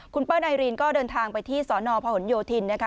คุณเปิ้นายรีนก็เดินทางไปที่สนพหนโยธินนะคะ